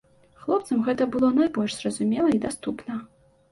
Хлопцам гэта было найбольш зразумела і даступна.